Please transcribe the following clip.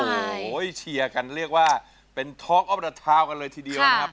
โอ้โหเชียร์กันเรียกว่าเป็นท้องออฟเตอร์ทาวน์กันเลยทีเดียวนะครับ